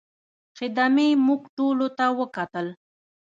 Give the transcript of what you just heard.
خدمې موږ ټولو ته وکتل.